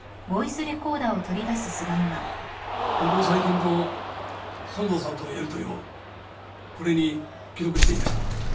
ここ最近の園田さんとのやりとりをこれに記録していました。